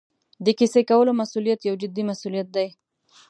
د کیسې کولو مسوولیت یو جدي مسوولیت دی.